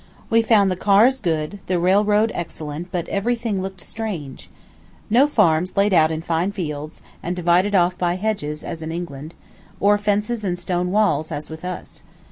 We found the cars good, the railroad excellent but every thing looked strange. No farms laid out in fine fields, and divided off by hedges, as in England; or fences and stone walls, as with us.